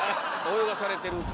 泳がされてる？